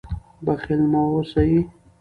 بخیل مه اوسئ.